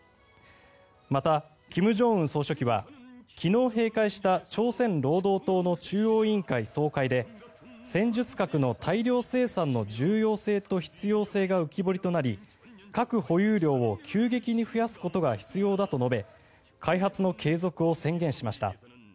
また、金正恩総書記は昨日閉会した朝鮮労働党の中央委員会総会で戦術核の大量生産の重要性と必要性が浮き彫りとなり核保有量を急激に増やすことが必要だと述べ開発の継続を宣言しました。